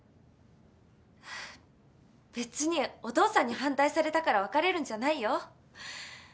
別にお父さんに反対されたから別れるんじゃないよ。